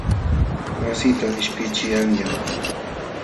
Wassitam qishpiqćhii qanyan.